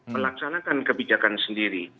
melaksanakan kebijakan sendiri